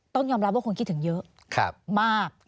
ต้องยอมรับว่าคนคิดถึงเยอะมาก